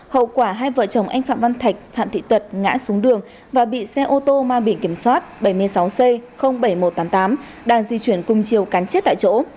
hậu quả hai vợ chồng anh phạm văn thạch phạm thị tật ngã xuống đường và bị xe ô tô mang biển kiểm soát bảy mươi sáu c bảy nghìn một trăm tám mươi tám đang di chuyển cùng chiều cán chết tại chỗ